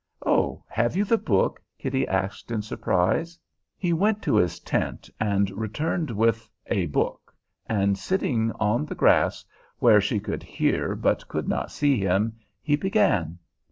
"Oh, have you the book?" Kitty asked in surprise. He went to his tent and returned with a book, and sitting on the grass where she could hear but could not see him, he began.